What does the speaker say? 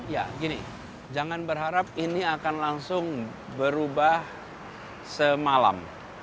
ya gini jangan berharap ini akan langsung berubah semalam